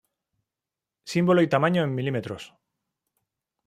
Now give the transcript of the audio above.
Símbolo y tamaño en milímetros.